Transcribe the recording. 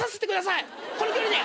この距離で。